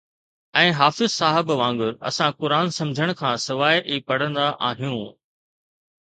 ۽ حافظ صاحب وانگر، اسان قرآن سمجھڻ کان سواءِ ئي پڙھندا آھيون